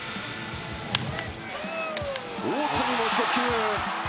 大谷も初球！